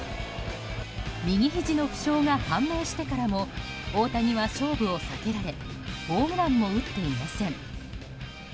右ひじの負傷が判明してからも大谷は勝負を避けられホームランも打っていません。